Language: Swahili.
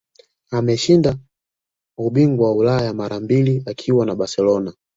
Ameshinda ubingwa wa Ulaya mara mbili akiwa na Barcelona